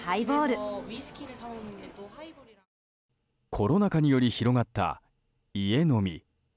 コロナ禍により広がった家飲み。